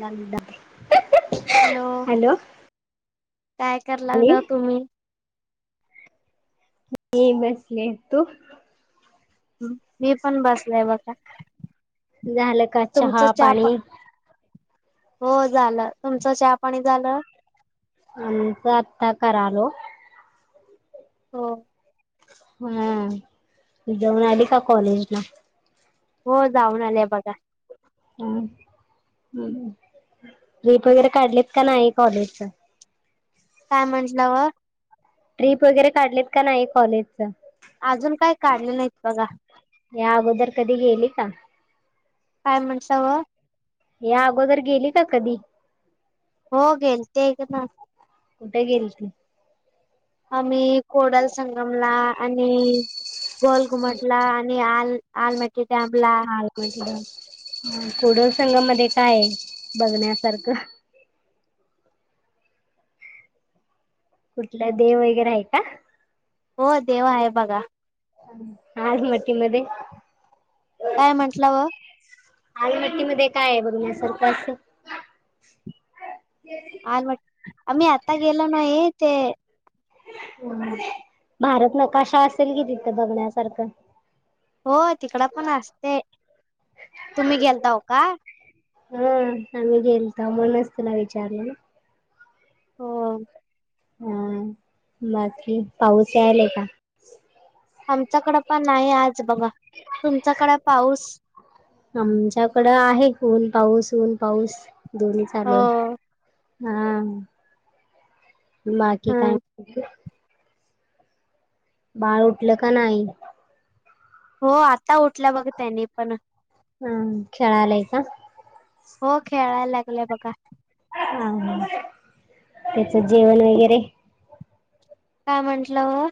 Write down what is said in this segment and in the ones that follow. Nanda hello, काय करा आणि लागला तुम्ही मी बसलेय. हम्म. मी पण बसलय बघा, तुमचं चहा पाणी हो झालं, तुमचं चहा पाणी झालं. आमच आत्ता करालोय. हो. हा, जाऊन आली का कॉलेज ला. हो जाऊन आले बघा. हं, ट्रिप वगैरे काढलीत का नाही कॉलेजच. काय म्हटला ओ. ट्रिप वगैरे काढलेत का नाही कॉलेजच. अजून काय काढले नाहीत बघा. या अगोदर कधी गेली. काय म्हणसाव ओ. या अगोदर गेली का कधी. हो गेलते एकदा. कुठे गेलेली. आम्ही कोडल संगमला आणि गोल घुमटला आणि आलमटटी डॅमला. कोडल संगम मध्ये काय आहे बघण्यासारखं. कुठलं देव वगैरे आहे का. हो देव आहे बघा. आलमट्टी मध्ये. काय म्हटला ओ. आलमटी मध्ये काय आहे, बघण्यासारखं असं. आलमट्टी, आम्ही आता गेलो नाही ते भारत नकाशा असेल कि तिथं बघण्यासारखा. हो तिकडं पण असते. तुम्ही गेलता हो का. हं, आम्ही गेलताव म्हणूनच तुला विचारला. हो. हा बाकी पाऊस यायलाय का आमच्याकड पण नाही आज बघा तुमच्याकडे पाऊस आमच्याकडं आहे ऊन पाऊस, ऊन पाऊस दोन्ही हो चालूय हा बाकी काय हं बाळ उठलं का नाही? हो आता उठला बघ त्यांनीपण हम् खेळलाय का? हो खेळायला लागलेय बघा हा, हा त्याच जेवण वगैरे काय म्हंटला ओ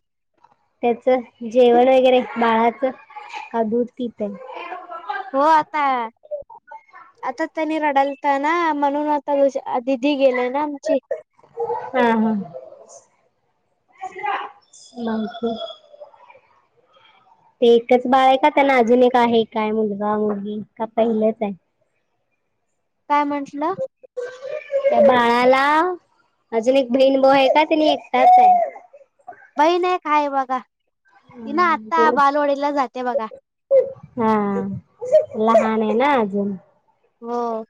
त्याच जेवण वगैरे बाळाच का दूध पितय हो आता आता त्यांनी रडलता ना म्हणून आता तु दिदी गेले ना आमची ह, ह ते एकच बाळ आहे का त्यांला अजुून एक का आहे काय मुलगा, मुलगी का पहिलंच आहे काय म्हटल त्या बाळाला अजून एक बहीण, भाऊ आहे का तिने एकटाच आहे बहीण एक हाय बघा तीन आता बालवडीला जातीय बघा हा लहान आहे ना अजून हो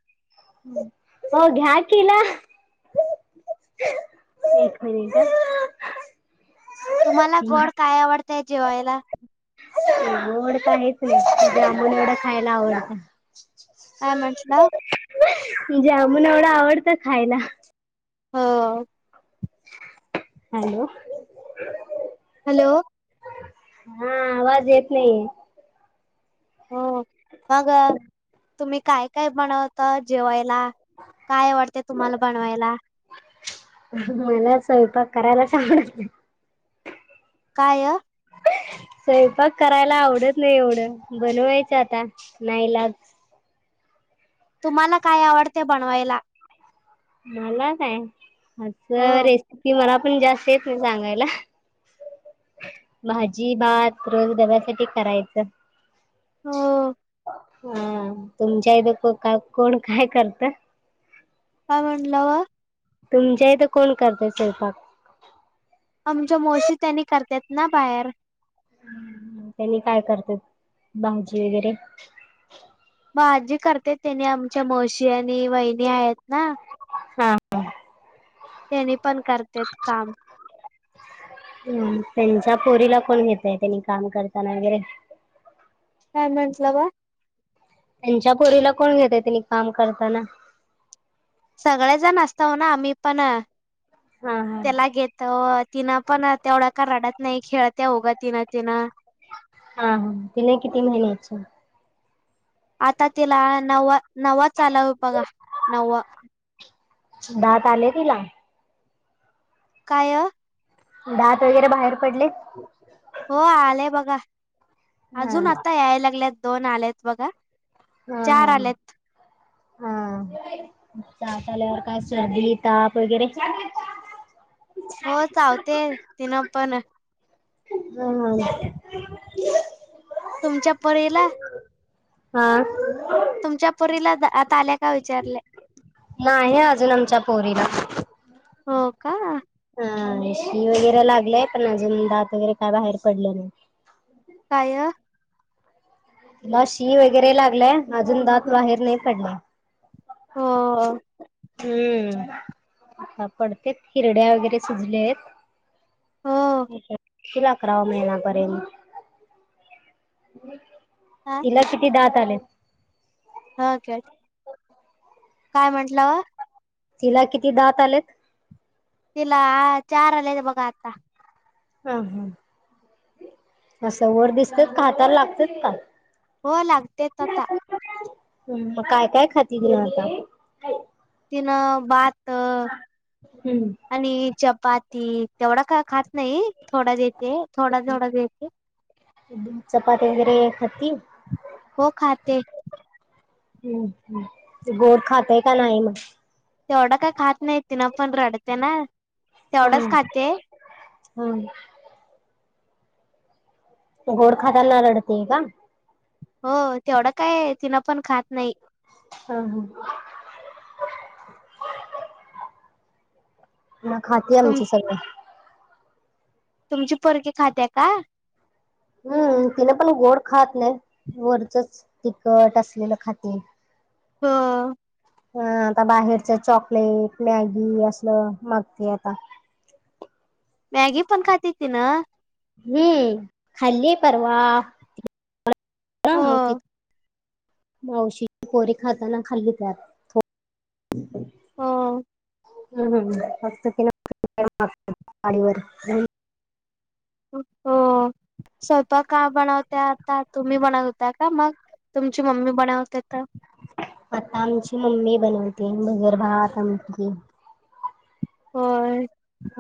ओ घ्या की हीला एक मिनिट हा तुम्हाला गोड काय आवडतय जेवायला गोड काहीच नाही जामुन एवढ खायला आवडतंय का म्हटला जामुन एवढा आवडतं खायला हो हॅलो हॅलो हा आवाज येत नाहीय अ मग तुम्ही काय, काय बनवतात जेवायला काय आवडते तुम्हाला बनवायला? मला स्वयंपाक करायलाच आवडत नाही काय‌ स्वयंपाक करायला आवडत नाही एवढं बनवायचं आता नाईलाज तुम्हाला काय आवडते बनवायला‌ मला काय अस हो रेसिपी मला पण जास्त येत म सांगायला भाजी, भात रोज डब्यासाठी करायचं हो हा तुमच्या इथे कोण काय करतं काय म्हटलं ओ तुमच्या इथं कोण करत स्वयंपाक आमच्या मोशी त्यांनी करतात ना बाहेर त्यानी काय करतेत भाजी वगैरे म आजी करते त्यांनी आमच्या म्हशी आणि वहिणी आहेत ना. हा ह. तेनि पण करतेत काम. हम्म त्यांच्या पोरीला कोण घेतय त्यांनी काम करताना वगैरे.? काय म्हंटलं ग? त्यांच्या पोरीला कोन घेतय तनी काम करताना. सगळेजण असतव ना आम्ही पण, हा हा त्याला घेतो. तनी पण तेवढा काय रडत नाही, खेळत्या ऊग तिन तिन. हा हा,, तिने किती महिन्याची.? आता तिला नववा चालु बघा,, नववा. दात आलंय तिला.? काय? दात वगैरे बाहेर पडले.? हो आले बघा,, हा अजून आत्ता याय लागल्यात दोन आलेत बघा. हा हा. चार आलेत हा, दात आल्यावर काय शर्दी ताप वगैरे.? हो चावते तिनं पण. हम ह. तुमच्या परीला? हा तुमच्या पुरीला दात आल्यात? नाही अजून आमच्या पोरीला. हो का. हा शी वगैरे लागलंय पण अजून दात वगैरे काय बाहेर पडले नाही. काय? हिला शी वगैरे लागलंय, अजून दात बाहेर नाही पडलं. हो. हम्म,, आत्ता पडतित हिरड्या वगैरे सुजले त. हो अच्छा. ईतिल अकराव्या महिनापर्यंत. हा तिला किती दात आले? हं काय,, काय म्हटला वं तिला किती दात आलेत? तिला चार आलेत बघा आता. हा हा, असं वर दिसतं खाताला लागतेच का. हो लागतेत आता. हम्म, मग काय काय खाती तीनं आता? तीनं भात ह हम्म. आणि चपाती,, तेवढा काय खात नाही, थोडा द्यायेत थोडा थोडा देते. चपाती वगैरे खाती हो खाते. हम्म, गोड खातय का नाही मग? तेवढं काय खात नाही, ति ना पण रडते ना. तेवढाच हम्म खाते हम्म. गोड खाताना रडतेय का? हो तेवढं काय तिनं पण खात नाही. हां हां. ना खाती तुम आमची सगळे. तुमची पोरगी खात्या का? हम्म तिने पण गोड खात नाही वरचच तिखट असलेलं खाते. हां. हां आता बाहेरच चॉकलेट, मॅगी असलं मागते आता. मॅगी पण खाते तिनं? हम्म खाल्ली परवा हो [unintelligible] मावशीची पोरी खाताना खाल्ली त्यात थोडं. हो हम्म हम्म हम्म फक्त तिनं [unintelligible] वर. हो [inaudible] स्वयंपाक काय बनवत्या आता? तुम्ही बनवता का मग? तुमची मम्मी बनवते तर! आता आमची मम्मी बनवते भगर भात आम होय.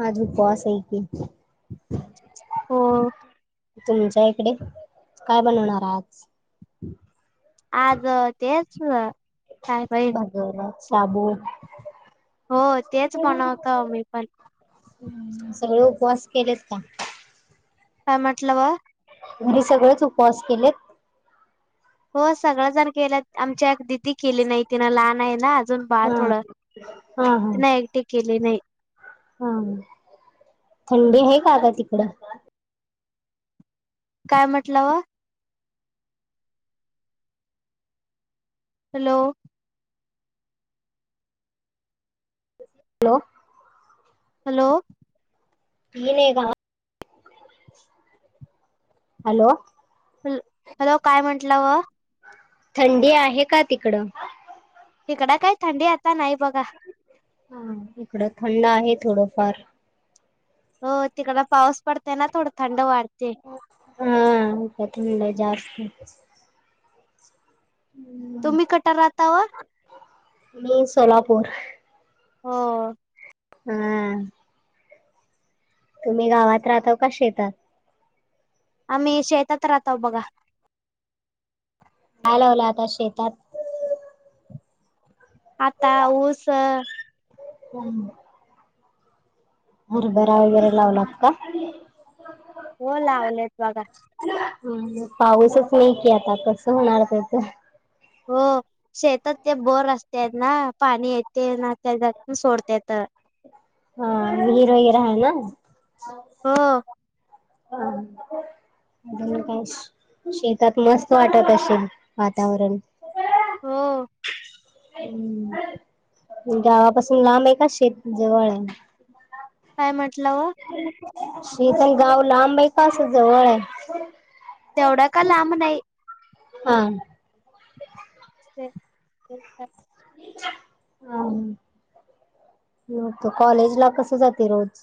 आज उपवास आहे की. हो तुमच्या इकडे काय बनवणार आज? आज तेच काय पहि जेवणात शाबू हो तेच बनवतो आम्ही पण. सगळे उपवास केलेत का? काय म्हटलं बा? घरी सगळेच उपवास केलेत? हो सगळजण केल्यात आमच्या एक दिदी केली नाही तिनं लहान आहे ना अजू न बाळ हा थोड हा तिनं एकटी केली नाही. हां थंडी आहे का गं तिकड? काय म्हटला वा? Hello! Hello! Hello! [unintelligible] Hello! Hello काय म्हंटलं वो? थंडी आहे का तिकडं? हिकडं काय थंडी आता नाही बघा. हां इकडं थंड आहे थोडंफार. हो तिकड पाऊस पडतंय ना थोडं थंड वाढतंय. हां इकडं थंड जास्त. तुम्ही कट राहता व? मी सोलापूर. हो. हां. तुम्ही गावात राहता का शेतात? आम्ही शेतात राहतो बघा. काय लावला आता शेतात? आता ऊस [inaudible] हरभरा वगैरे लावलात का? हों लावलेत बघा. पाऊसच नही कि आता कसं होणार ते तर. हों शेतात ते बोर असत्येत ना पाणी येते ना तेजातून सोडतेत. हां विहीर ही राहे नां. हो अजून काय शे शेतात मस्त वाटत अशेल वातावरण. हों. हुं. गावापासून लांबयं का शेत जवळयं? काय म्हटलं ओ? शेत अन गाव लांबायं का अस जवळयं? तेवढा का लांब नायी. हां. ते [inaudible] अता कॉलेज ला कसं जाते रोज?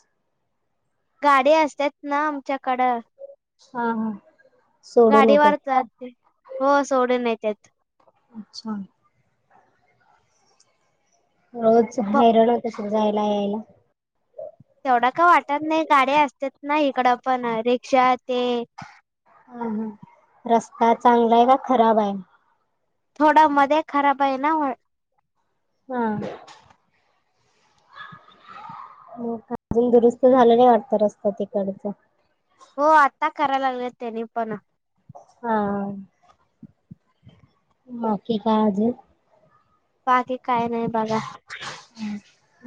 गाडी असत्यात नां आमच्याकडं. हां हां सोडून येतात गाडीवर काय? जाते. हो सोडून येत्यात. अच्छा! रोज हैरण होत असल जायला यायला? तेवढा का वाटत नायी गाडी असत्यात नां इकडं पण रिक्षा ते हं हं रस्ता चांगलायं का खराबायं. थोडं मध्ये खराबयं ना म्ह हुं. म अजून दुरुस्त झालं नाही वाटत रस्ता तिकडचं? हों आता करालागल्यात त्यांनी पण. हां बाकी काय अजून? बाकी काय नाय बघा. हुं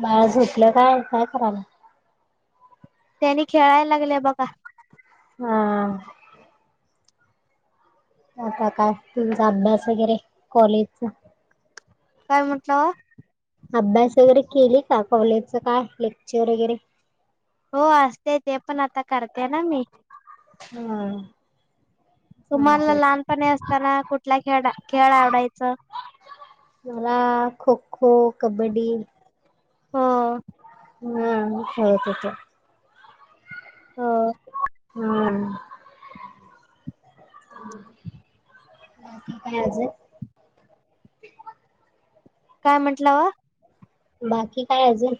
बाळा झोपलं काय? काय करालय? त्यांनी खेळाय लागले बघा. हां. आता काय तुमचा अभ्यास वगैरे कॉलेजचा? काय म्हंटलाव? अभ्यास वगैरे केली का? कॉलेजच काय लेक्चर वगैरे? हों असतेय ते पण आता करते ना मी. हां. तुम्हाला लहानपणी असताना कुठला खेड खेळआवडायचं? मला खोखो, कबड्डी. हों. हुं खेळत होत. हं. हुं. बाकी काय अजून? काय म्हंटला वा? बाकी काय अजून?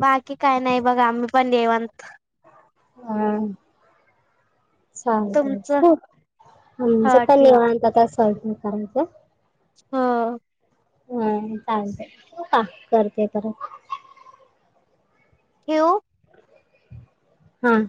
बाकी काही बघा आम्ही निवांत. हा. चालते तुमचं अ, हो बसावं ठेव निवांत असं शांत. हा. हा चालत ठुवका? करते परत. ठेऊ? हम्म.